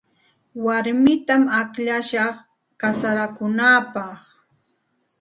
Warmitam akllashaq kasarakunaapaq.